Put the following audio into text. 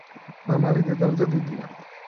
მამალი დედალზე დიდია.